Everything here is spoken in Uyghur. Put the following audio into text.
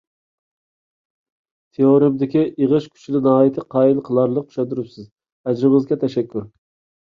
تېئورېمىدىكى ئېغىش كۈچىنى ناھايىتى قايىل قىلارلىق چۈشەندۈرۈپسىز، ئەجرىڭىزگە تەشەككۈر.